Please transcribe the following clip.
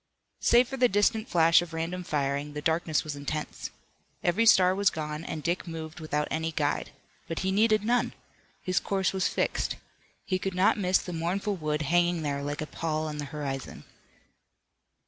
Save for the distant flash of random firing, the darkness was intense. Every star was gone, and Dick moved without any guide. But he needed none. His course was fixed. He could not miss the mournful wood hanging there like a pall on the horizon.